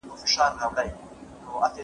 د دولت کمزورتیا خلک اندېښمن کړي دي.